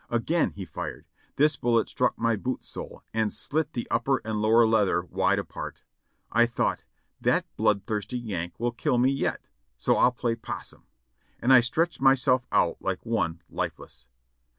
Again he fired ; this bullet struck my boot sole and slit the upper and lower leather wide apart. I thought, "That bloodthirsty Yank will kill me yet. so I'll play possum," and I stretched myself out like one lifeless.